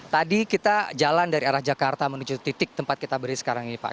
tadi kita jalan dari arah jakarta menuju titik tempat kita beri sekarang ini pak